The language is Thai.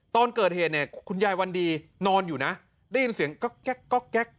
ตอนเกิดเหตุเนี่ยคุณยายวันดีนอนอยู่นะได้ยินเสียงก๊อกแก๊กแก๊ก